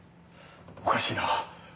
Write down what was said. おかしいな。